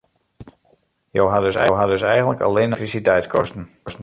Jo ha dus eigenlik allinne mar elektrisiteitskosten.